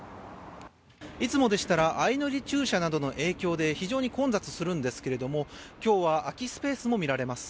いつもでしたら相乗り駐車などの影響で非常に混雑するんですけれども今日は空きスペースも見られます。